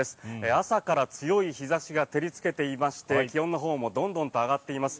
朝から強い日差しが照りつけていまして気温のほうもどんどんと上がっています。